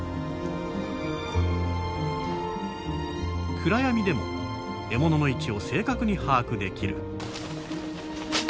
暗闇でも獲物の位置を正確に把握できる。